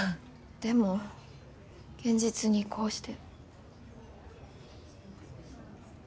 でも現実にこうして。